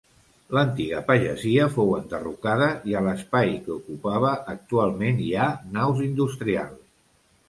L'antiga pagesia fou enderrocada i a l'espai que ocupava, actualment hi ha naus industrials.